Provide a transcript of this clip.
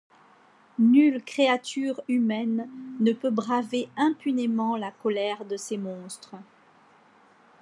Nulle créature humaine ne peut braver impunément la colère de ces monstres.